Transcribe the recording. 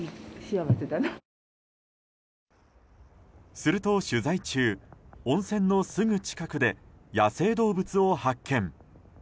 すると取材中温泉のすぐ近くで野生動物を発見。